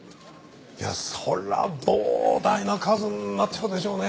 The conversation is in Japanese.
いやそりゃ膨大な数になっちゃうでしょうね。